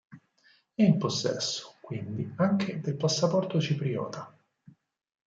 È in possesso, quindi, anche del passaporto cipriota.